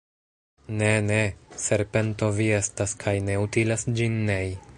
Ne, ne! Serpento vi estas, kaj ne utilas ĝin nei.